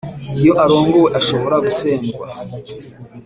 iyo arongowe, ashobora gusendwa.